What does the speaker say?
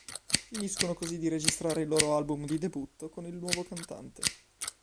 Finiscono così di registrare il loro album di debutto con il nuovo cantante.